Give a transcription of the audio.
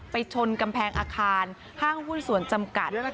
ชนกำแพงอาคารห้างหุ้นส่วนจำกัด